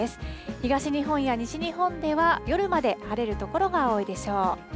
東日本や西日本では、夜まで晴れる所が多いでしょう。